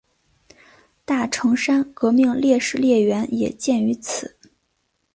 大城山革命烈士陵园也建于此。